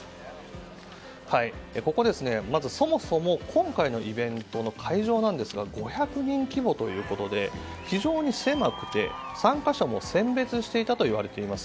そもそも今回のイベントの会場なんですが５００人規模ということで非常に狭くて参加者も選別していたといわれています。